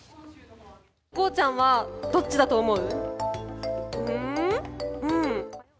ゴーちゃん。はどっちだと思う？